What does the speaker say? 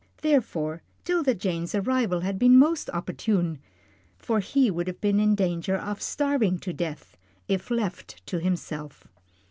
Therefore, 'Tilda Jane's arrival had been most opportune, for he would have been in danger of starving to death if left to himself.